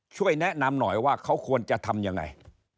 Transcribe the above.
ช่วยแนะนำหน่อยว่าเขาควรจะทำยังไง